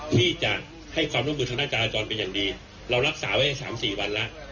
ที่จะให้ความร่วมมือทางด้านจราจรเป็นอย่างดีเรารักษาไว้๓๔วันแล้ว